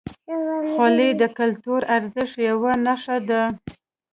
خولۍ د کلتوري ارزښت یوه نښه ده.